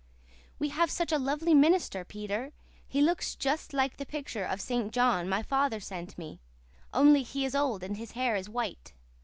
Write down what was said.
"We have such a lovely minister, Peter. He looks just like the picture of St. John my father sent me, only he is old and his hair is white.